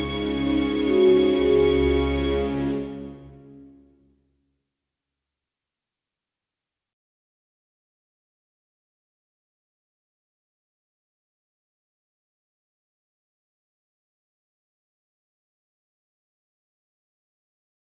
ketika itu kakaknya menangis